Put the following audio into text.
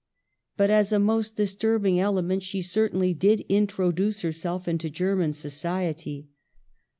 But as a most disturbing element she certainly did intro duce herself into German society.